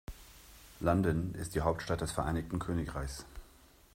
London ist die Hauptstadt des Vereinigten Königreichs.